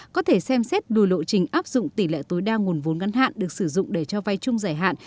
có thể xem xét lùi lộ trình áp dụng tỷ lệ tối đa nguồn vốn ngắn hạn được sử dụng để cho vay chung giải hạn